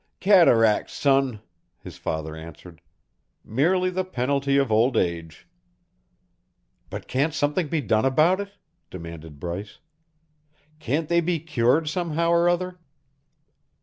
"Cataracts, son," his father answered. "Merely the penalty of old age." "But can't something be done about it?" demanded Bryce. "Can't they be cured somehow or other?"